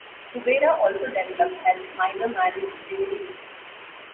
Kubera also developed as minor marriage-divinity.